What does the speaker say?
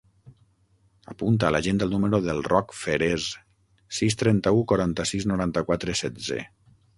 Apunta a l'agenda el número del Roc Ferez: sis, trenta-u, quaranta-sis, noranta-quatre, setze.